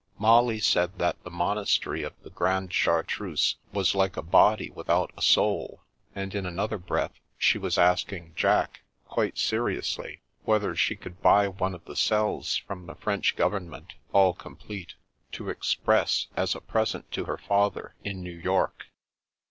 Molly said that the monastery of the Grande Chartreuse was like a body without a soul ; and in another breath she was asking Jack, quite seriously, whether she could buy one of the cells from the French Government, all complete, to " express " as a present to her father in New York.